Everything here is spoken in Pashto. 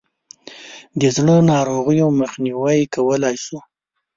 د زړه ناروغیو مخنیوی کولای شو.